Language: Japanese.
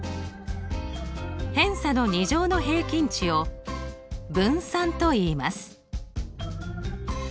偏差の２乗の平均値を分散といいます。